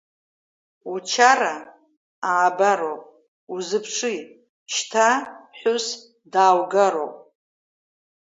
Учара аабароуп, узыԥши, шьҭа ԥҳәыс дааугароуп…